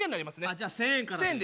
じゃあ１，０００円からで。